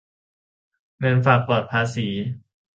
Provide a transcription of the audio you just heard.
เงินฝากปลอดภาษี